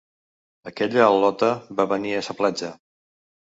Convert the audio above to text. Aquella al•lota va venir a sa platja